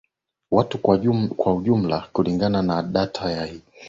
watu Kwa jumla kulingana na data ya hivi